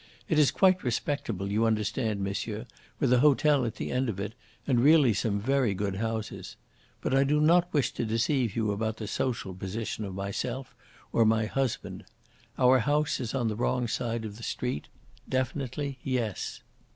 It is quite respectable, you understand, monsieur, with a hotel at the end of it, and really some very good houses. But I do not wish to deceive you about the social position of myself or my husband. Our house is on the wrong side of the street definitely yes.